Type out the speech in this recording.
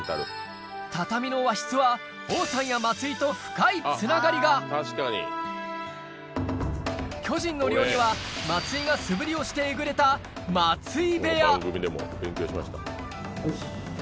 畳の和室は王さんや松井と深いつながりが巨人の寮には松井が素振りをしてえぐれた松井部屋よし！